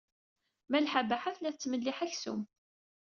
Malḥa Baḥa tella tettmelliḥ aksum.